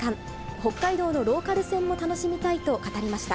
北海道のローカル線も楽しみたいと語りました。